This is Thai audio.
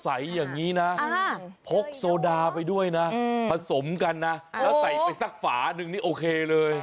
อย่างนี้นะพกโซดาไปด้วยนะผสมกันนะแล้วใส่ไปสักฝานึงนี่โอเคเลย